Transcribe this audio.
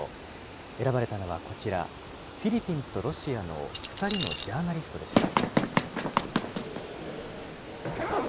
選ばれたのはこちら、フィリピンとロシアの２人のジャーナリストでした。